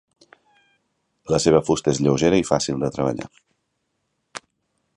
La seva fusta és lleugera i fàcil de treballar.